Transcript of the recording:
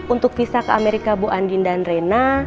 untuk visa ke amerika bu andin dan rena